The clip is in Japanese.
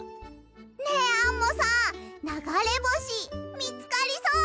ねえアンモさんながれぼしみつかりそう？